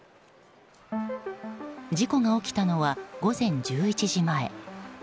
事故が起きたのは午前１１時前。